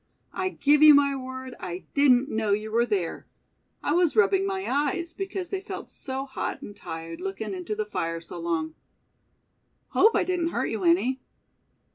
"I give you my word I didn't know you were there. I was rubbing my eyes, because they felt so hot and tired, lookin' into the fire so long. Hope I didn't hurt you any?"